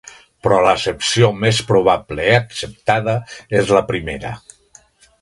Però l'accepció més probable i acceptada és la primera.